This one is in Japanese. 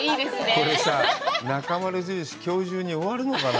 これさ、なかまる印、きょう中に終わるのかな？